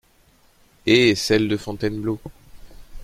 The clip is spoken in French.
Eh ! celle de Fontainebleau !